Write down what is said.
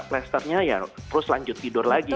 plasternya ya terus lanjut tidur lagi